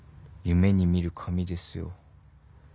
夢に見る髪ですよ。